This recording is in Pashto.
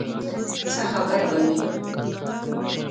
څه خبره به وي.